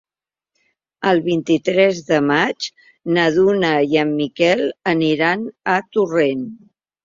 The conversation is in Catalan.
El vint-i-tres de maig na Duna i en Miquel aniran a Torrent.